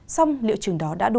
xong liệu trường đó đã đủ